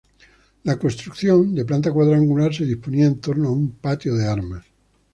La construcción, de planta cuadrangular, se disponía en torno a un patio de armas.